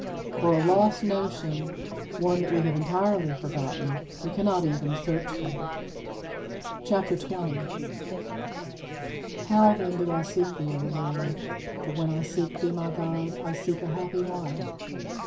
For a lost notion, one that we have entirely forgotten, we cannot even search for. CHAPTER XX 29. How, then, do I seek thee, O Lord? For when I seek thee, my God, I seek a happy life.